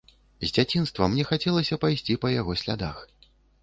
З дзяцінства мне хацелася пайсці па яго слядах.